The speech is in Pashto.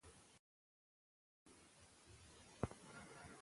ښځو به ډوډۍ پخ کړې وي.